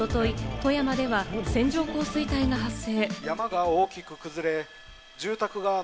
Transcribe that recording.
富山では線状降水帯が発生。